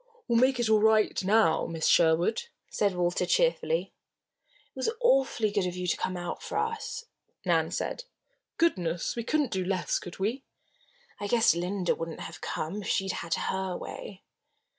"We'll make it all right now, Miss Sherwood," said Walter, cheerfully. "It was awfully good of you to come out for us," Nan said. "Goodness! we couldn't do less, could we?" "I guess Linda wouldn't have come if she had had her way."